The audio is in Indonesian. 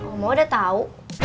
oma udah tau